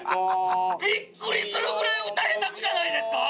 びっくりするぐらい歌下手じゃないですか？